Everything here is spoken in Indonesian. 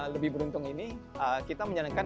lebih beruntung ini kita menjalankan